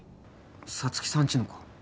沙月さんちのか？